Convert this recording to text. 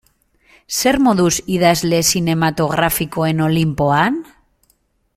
Zer moduz idazle zinematografikoen olinpoan?